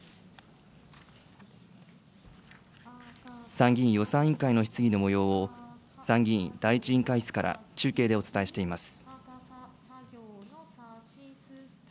参議院予算委員会の質疑のもようを、参議院第１委員会室から、中継でお伝えしています。